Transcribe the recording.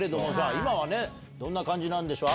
今はどんな感じなんでしょう？